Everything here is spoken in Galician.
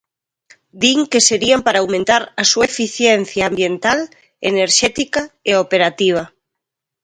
Din que serían para aumentar a súa eficiencia ambiental, enerxética e operativa.